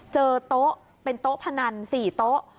เจอโต๊ะเป็นโต๊ะพนัน๔โต๊ะ